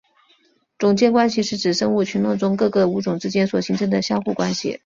种间关系是指生物群落中各个物种之间所形成相互关系。